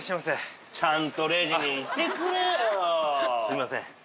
すいません。